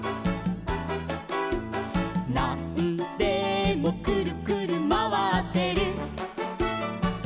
「なんでもくるくるまわってる」